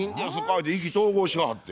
言うて意気投合しはって。